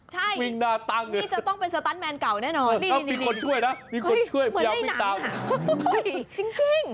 ใช่วิ่งหน้าตั้ง